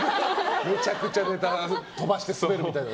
めちゃくちゃネタ飛ばしてスベるみたいな。